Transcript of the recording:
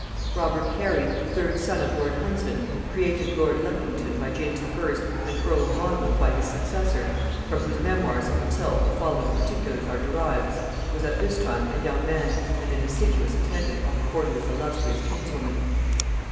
Robert Cary, third son of lord Hunsdon, created lord Leppington by James I. and earl of Monmouth by his successor, from whose memoirs of himself the following particulars are derived, was at this time a young man and an assiduous attendant on the court of his illustrious kinswoman.